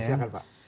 boleh siapkan pak